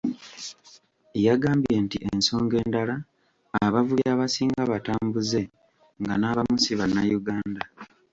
Yagambye nti ensonga endala, abavubi abasinga batambuze nga n'abamu ssi bannayuganda.